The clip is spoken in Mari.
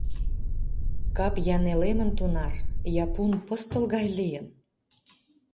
Кап я нелемын тунар, я пун пыстыл гай лийын?